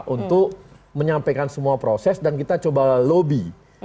untuk menyampaikan semua proses dan kita coba lobby